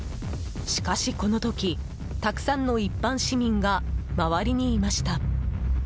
しかし、この時たくさんの一般市民が周りにいました。